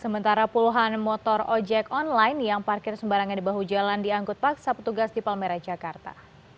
sementara puluhan motor ojek online yang parkir sembarangan di bahu jalan diangkut paksa petugas di palmera jakarta